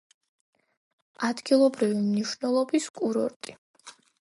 ადგილობრივი მნიშვნელობის კურორტი.